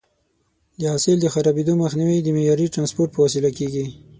د حاصل د خرابېدو مخنیوی د معیاري ټرانسپورټ په وسیله کېږي.